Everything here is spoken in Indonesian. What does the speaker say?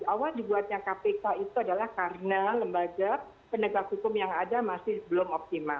awal dibuatnya kpk itu adalah karena lembaga penegak hukum yang ada masih belum optimal